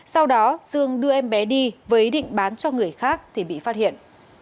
sau đó dương đưa em bé đi với ý định bán cho người khác thì bị phát hiện